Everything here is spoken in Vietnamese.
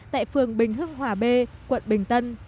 tại phường bình hưng hòa b quận bình tân